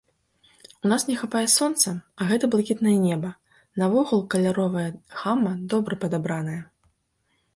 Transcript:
У нас не хапае сонца, а гэта блакітнае неба, наогул каляровая гама добра падабраная.